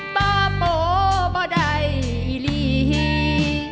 ป่าป่อป่าใดอีลีฮี